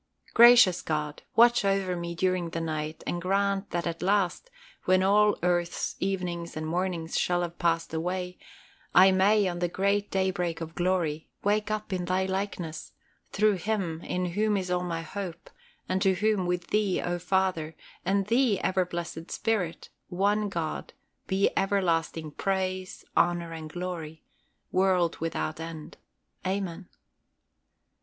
Gracious God, watch over me during the night, and grant that at last, when all earth's evenings and mornings shall have passed away, I may, on the great day break of glory, wake up in Thy likeness, through Him in whom is all my hope, and to whom, with Thee, O Father, and Thee, ever blessed Spirit, one God, be everlasting praise, honor, and glory, world without end. Amen.